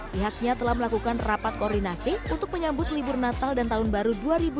pihaknya telah melakukan rapat koordinasi untuk menyambut libur natal dan tahun baru dua ribu dua puluh